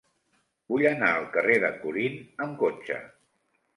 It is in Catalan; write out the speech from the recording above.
Vull anar al carrer de Corint amb cotxe.